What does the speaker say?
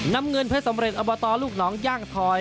น้ำเงินเพชรสำเร็จอบตลูกน้องย่างทอย